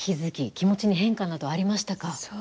気持ちに変化などありましたか？